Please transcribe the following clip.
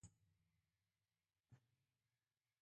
Rantinallam kasqa.